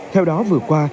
theo đó vừa qua